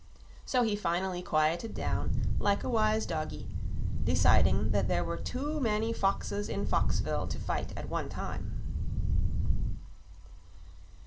So he finally quieted down, like a wise doggy, deciding there were too many foxes in Foxville to fight at one time.